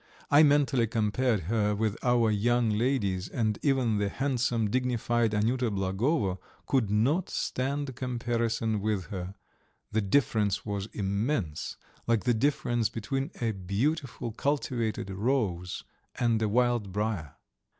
I mentally compared her with our young ladies, and even the handsome, dignified Anyuta Blagovo could not stand comparison with her; the difference was immense, like the difference between a beautiful, cultivated rose and a wild briar.